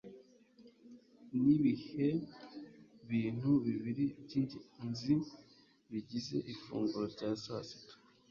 Nibihe bintu bibiri byingenzi bigize ifunguro rya saa sita?